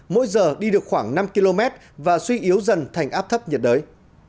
mỗi giờ đi được khoảng năm km và suy yếu dần thành áp thấp nhiệt đới